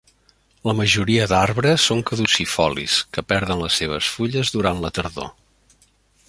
La majoria d'arbres són caducifolis, que perden les seves fulles durant la tardor.